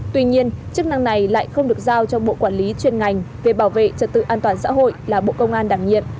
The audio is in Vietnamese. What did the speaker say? tuy nhiên chức năng này lại không được giao cho bộ quản lý chuyên ngành về bảo vệ trật tự an toàn xã hội là bộ công an đảm nhiệm